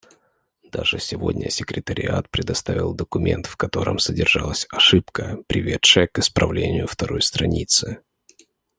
Даже сегодня секретариат представил документ, в котором содержалась ошибка, приведшая к исправлению второй страницы.